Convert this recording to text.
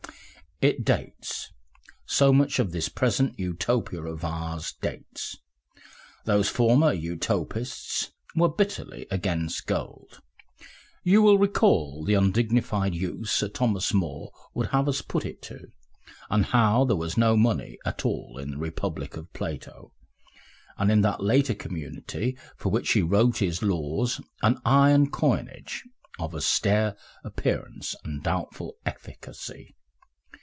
It dates so much of this present Utopia of ours dates. Those former Utopists were bitterly against gold. You will recall the undignified use Sir Thomas More would have us put it to, and how there was no money at all in the Republic of Plato, and in that later community for which he wrote his Laws an iron coinage of austere appearance and doubtful efficacy....